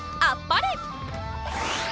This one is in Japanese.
あっぱれ！